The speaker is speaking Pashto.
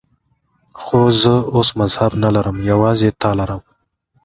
خو زه اوس مذهب نه لرم، یوازې تا لرم.